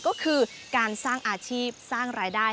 ก็คือการสร้างอาชีพสร้างรายได้